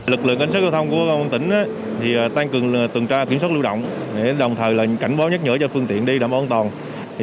lực lượng cảnh sát giao thông của công an tỉnh tăng cường tuần tra kiểm soát lưu động đồng thời cảnh báo nhắc nhở cho phương tiện đi đảm bảo an toàn